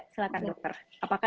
silahkan dokter apakah